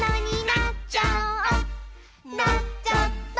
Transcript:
「なっちゃった！」